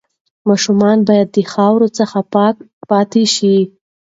ماشومان باید د خاورو څخه پاک پاتې شي.